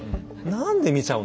何で見ちゃうのかな。